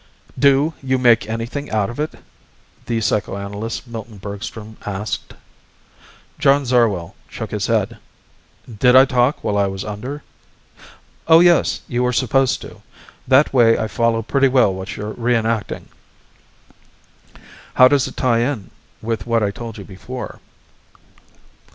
"Do you make anything out of it?" the psychoanalyst Milton Bergstrom, asked. John Zarwell shook his head. "Did I talk while I was under?" "Oh, yes. You were supposed to. That way I follow pretty well what you're reenacting." "How does it tie in with what I told you before?"